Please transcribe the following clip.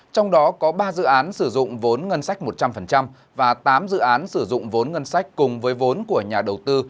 trong đó có ba dự án sử dụng vốn ngân sách một trăm linh và tám dự án sử dụng vốn ngân sách cùng với vốn của nhà đầu tư